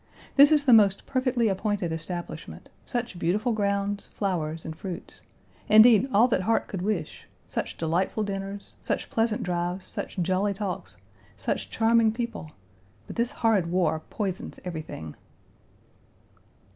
This is the most perfectly appointed establishment such beautiful grounds, lowers, and fruits; indeed, all that heart could wish; such delightful dinners, such pleasant drives, such jolly talks, such charming people; but this horrid war poisons everything.